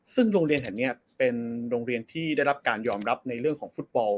ซึ่งโรงเรียนแห่งนี้เป็นโรงเรียนที่ได้รับการยอมรับในเรื่องของฟุตบอล